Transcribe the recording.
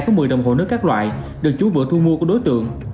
có một mươi đồng hồ nước các loại được chú vựa thu mua của đối tượng